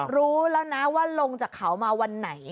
รู้แล้วนะว่าลงจากเขามาวันไหน